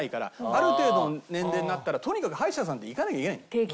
ある程度の年齢になったらとにかく歯医者さんって行かなきゃいけないの。